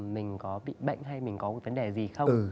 mình có bị bệnh hay mình có một vấn đề gì không